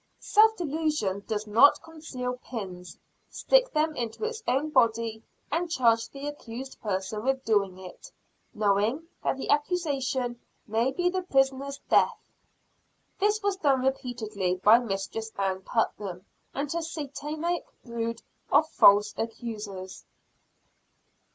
Self delusion does not conceal pins, stick them into its own body, and charge the accused person with doing it, knowing that the accusation may be the prisoner's death. This was done repeatedly by Mistress Ann Putnam, and her Satanic brood of false accusers.